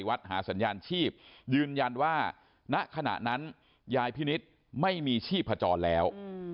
วัดหาสัญญาณชีพยืนยันว่าณขณะนั้นยายพินิษฐ์ไม่มีชีพจรแล้ว